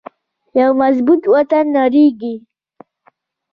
یو مضبوط وطن نړیږي